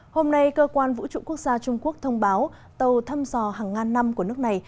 hôm nay cơ quan vũ trụ quốc gia trung quốc thông báo tàu thăm dò hàng ngàn năm của nước này